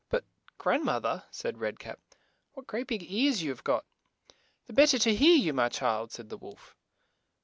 "But, grand moth er, " said Red Cap, " what great big ears you have got !'' "The bet ter to hear you, my child," said the wolf.